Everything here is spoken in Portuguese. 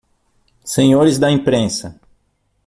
Senhores da Imprensa!